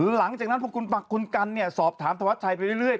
หลังจากนั้นพอคุณกันเนี่ยสอบถามธวัชชัยไปเรื่อย